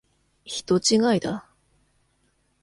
人違いだ。